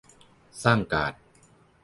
สร้างการ